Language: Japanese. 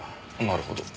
なるほど。